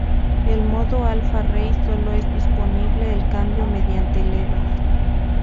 En modo Alfa Race solo es disponible el cambio mediante levas.